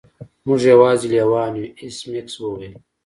موږ یوازې لیوان یو ایس میکس وویل